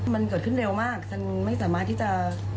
มันเกิดขึ้นเร็วมากฉันไม่สามารถที่จะ